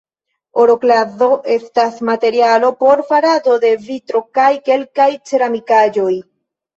Oroklazo estas materialo por farado de vitro kaj kelkaj ceramikaĵoj.